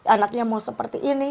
anaknya mau seperti ini